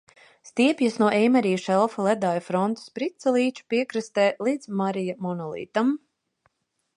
Stiepjas no Eimerija šelfa ledāja frontes Prica līča piekrastē līdz Marija monolītam.